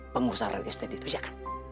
pengurusan real estate itu iya kan